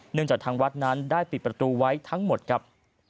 จากทางวัดนั้นได้ปิดประตูไว้ทั้งหมดครับ